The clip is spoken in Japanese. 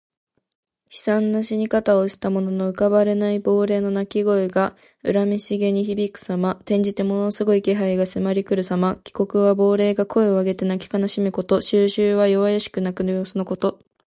悲惨な死に方をした者の浮かばれない亡霊の泣き声が、恨めしげに響くさま。転じてものすごい気配が漂い迫りくるさま。「鬼哭」は亡霊が声を上げて泣き悲しむこと。「啾啾」は弱弱しく鳴く様子のこと。